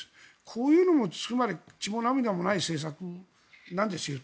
こういうのも、実は血も涙もない政策なんですよ。